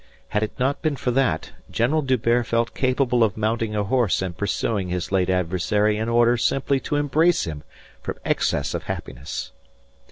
Had it not been for that, General D'Hubert felt capable of mounting a horse and pursuing his late adversary in order simply to embrace him from excess of happiness.